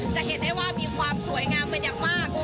จะเห็นได้ว่ามีความสวยงามเป็นอย่างมาก